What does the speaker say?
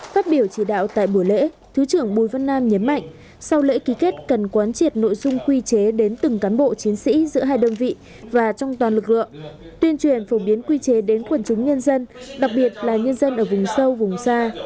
phát biểu chỉ đạo tại buổi lễ thứ trưởng bùi văn nam nhấn mạnh sau lễ ký kết cần quán triệt nội dung quy chế đến từng cán bộ chiến sĩ giữa hai đơn vị và trong toàn lực lượng tuyên truyền phổ biến quy chế đến quần chúng nhân dân đặc biệt là nhân dân ở vùng sâu vùng xa